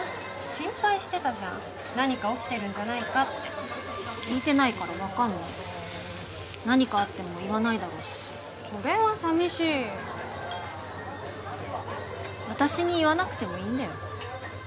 心配してたじゃん何か起きてるんじゃないかって聞いてないから分かんない何かあっても言わないだろうしそれは寂しい私に言わなくてもいいんだよ